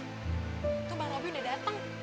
bang ojo tuh bang robby udah datang